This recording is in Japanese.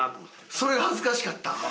それが恥ずかしかったん？